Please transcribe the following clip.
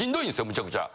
むちゃくちゃ。